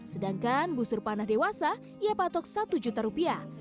sedangkan busur panah dewasa ia patok satu juta rupiah